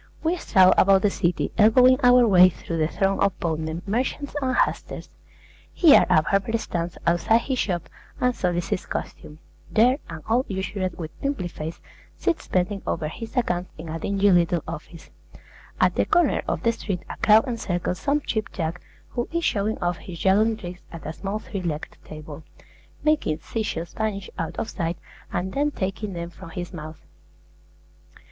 We stroll about the city elbowing our way through the throng of boatmen, merchants, and hucksters. Here a barber stands outside his shop and solicits custom; there an old usurer with pimply face sits bending over his accounts in a dingy little office; at the corner of the street a crowd encircles some Cheap Jack who is showing off his juggling tricks at a small three legged table, making sea shells vanish out of sight and then taking them from his mouth.